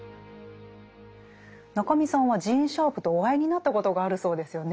中見さんはジーン・シャープとお会いになったことがあるそうですよね。